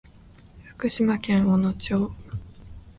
福島県小野町